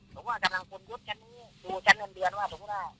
ผมว่ากำลังกลมยุทธ์ชั้นนี้อยู่ชั้นเงินเดือนว่าสมมุติว่า